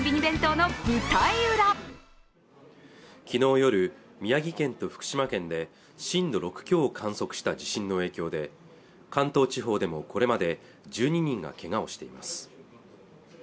昨日夜宮城県と福島県で震度６強を観測した地震の影響で関東地方でもこれまで１２人がけがをしています